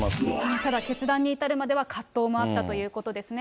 ただ、決断に至るまでは、葛藤もあったということですね。